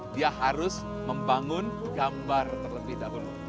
dia harus membangun gambar terlebih dahulu